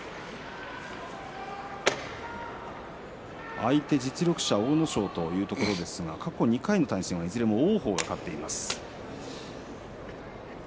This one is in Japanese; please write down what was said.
相手、実力者阿武咲というところですが過去２回いずれも王鵬が勝っています。